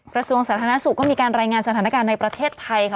กระทรวงสาธารณสุขก็มีการรายงานสถานการณ์ในประเทศไทยค่ะ